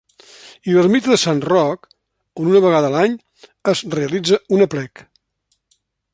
I l'Ermita de Sant Roc, on una vegada a l'any es realitza un aplec.